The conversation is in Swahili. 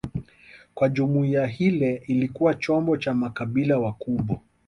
kuwa jumuiya hile ilikuwa chombo cha makabaila wakubwa